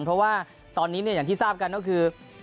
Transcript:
เพราะว่าตอนนี้อย่างที่ทราบกันก็คือ